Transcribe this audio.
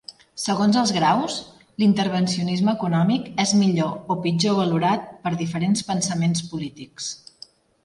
Segons els graus, l'intervencionisme econòmic és millor o pitjor valorat per diferents pensaments polítics.